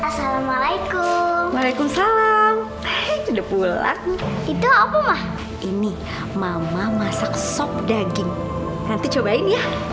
assalamualaikum waalaikumsalam sudah pulang itu apalah ini mama masak sop daging nanti cobain ya